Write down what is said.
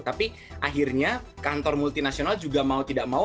tapi akhirnya kantor multinasional juga mau tidak mau